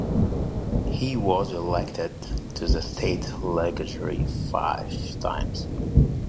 He was elected to the state legislature five times.